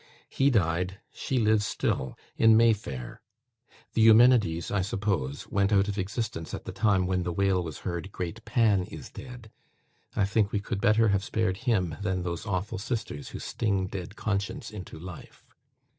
He died! she lives still, in May Fair. The Eumenides, I suppose, went out of existence at the time when the wail was heard, "Great Pan is dead." I think we could better have spared him than those awful Sisters who sting dead conscience into life.